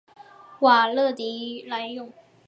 瓦勒迪莱永。